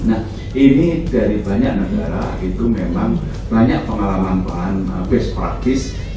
nah ini dari banyak negara itu memang banyak pengalaman pengalaman best practice